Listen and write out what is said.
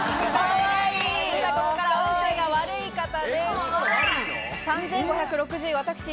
ここから運勢が悪い方です。